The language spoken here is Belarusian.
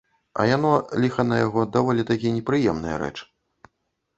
А яно, ліха на яго, даволі такі непрыемная рэч.